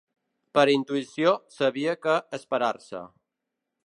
Per intuïció, sabia que esperar-se.